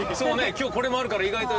今日これもあるから意外と。